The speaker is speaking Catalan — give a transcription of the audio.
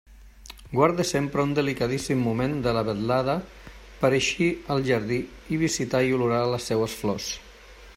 Guarde sempre un delicadíssim moment de la vetlada per a eixir al jardí i visitar i olorar les seues flors.